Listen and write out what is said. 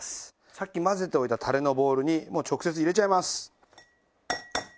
さっき混ぜておいたたれのボウルにもう直接入れちゃいます。